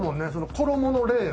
衣の例を。